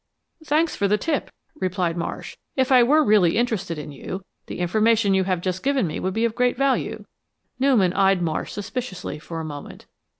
"Thanks for the tip," replied Marsh. "If I were really interested in you, the information you have just given me would be of great value." Newman eyed Marsh suspiciously for a moment.